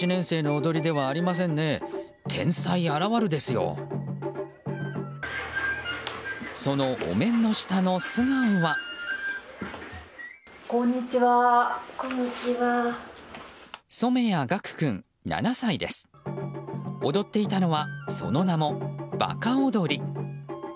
踊っていたのはその名も馬鹿踊り。